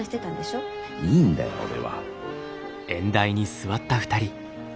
いいんだよ俺は。